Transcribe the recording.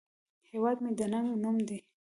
هیواد مې د ننگ نوم دی